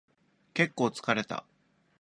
結構疲れた